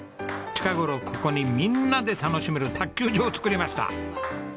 近頃ここにみんなで楽しめる卓球場を作りました。